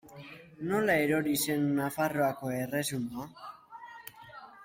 Nola erori zen Nafarroako erresuma?